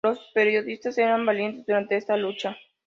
Los periodistas eran valientes durante esta lucha.